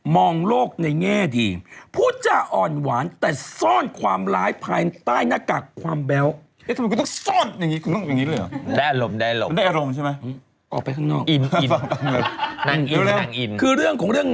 โลกในแง่ดีพูดจะอ่อนหวานแต่ซ่อนความร้ายภายใต้หน้ากากความแบ๊ว